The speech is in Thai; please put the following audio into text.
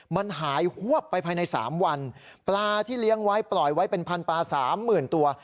มันหายฮวบไปภายใน๓วันปลาที่เลี้ยงไว้ปล่อยไว้เป็นพันธุปลาสามหมื่นตัว